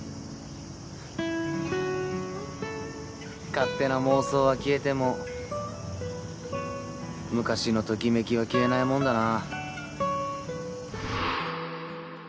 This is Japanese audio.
勝手な妄想は消えても昔のときめきは消えないもんだな。